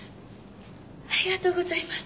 ありがとうございます。